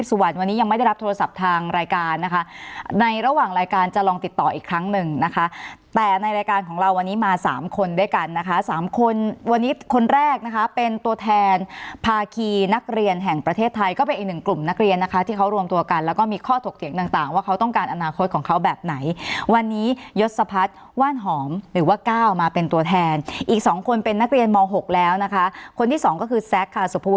สามคนด้วยกันนะคะสามคนวันนี้คนแรกนะคะเป็นตัวแทนภาคีนักเรียนแห่งประเทศไทยก็เป็นอีกหนึ่งกลุ่มนักเรียนนะคะที่เขารวมตัวกันแล้วก็มีข้อถกเถียงต่างว่าเขาต้องการอนาคตของเขาแบบไหนวันนี้ยศพัฒน์ว่านหอมหรือว่าก้าวมาเป็นตัวแทนอีกสองคนเป็นนักเรียนม๖แล้วนะคะคนที่สองก็คือแซคค่ะสุภวุ